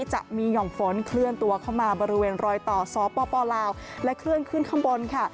จะมีห่อมฝนเคลื่อนตัวเข้ามาบริเวณรอยต่อสปลาวและเคลื่อนขึ้นข้างบนค่ะ